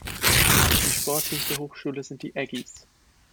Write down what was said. Die Sportteams der Hochschule sind die "Aggies".